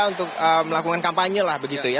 untuk melakukan kampanye lah begitu ya